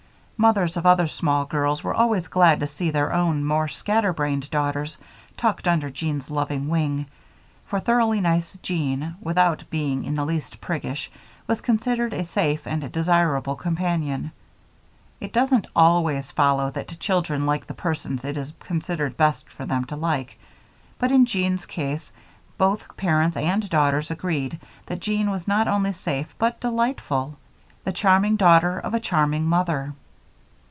Mothers of other small girls were always glad to see their own more scatterbrained daughters tucked under Jean's loving wing, for thoroughly nice Jean, without being in the least priggish, was considered a safe and desirable companion. It doesn't always follow that children like the persons it is considered best for them to like, but in Jean's case both parents and daughters agreed that Jean was not only safe but delightful the charming daughter of a charming mother.